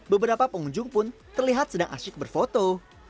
beberapa pengunjung pun terlihat sedang asyik berfoto